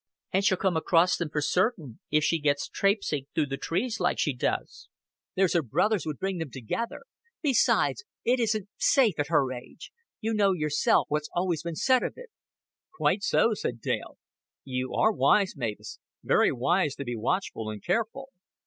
"And she'll come across them for certain if she gets trapesing through the trees like she does. There's her brothers would bring them together. Besides, it isn't safe at her age. You know yourself what's always been said of it." "Quite so," said Dale. "You are wise, Mavis very wise to be watchful and careful."